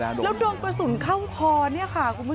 ตอนนี้ก็ไม่มีอัศวินทรีย์ที่สุดขึ้นแต่ก็ไม่มีอัศวินทรีย์ที่สุดขึ้น